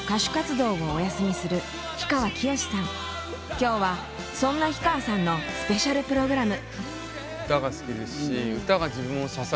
今日はそんな氷川さんのスペシャルプログラム。